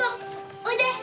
おいで。